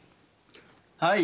はい。